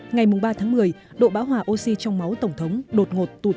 ngày ba tháng một mươi độ bão hỏa oxy trong máu tổng thống đột ngột tụt